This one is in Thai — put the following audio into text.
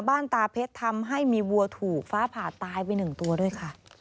ตาเพชรทำให้มีวัวถูกฟ้าผ่าตายไปหนึ่งตัวด้วยค่ะ